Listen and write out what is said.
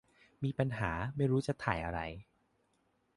มีปัญหาไม่รู้จะถ่ายอะไร